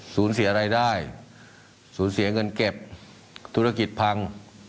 สูญเสียรายได้สูญเสียเงินเก็บธุรกิจพัง